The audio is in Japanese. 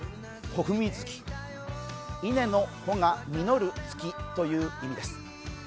穂文月稲の穂が実る月という意味です。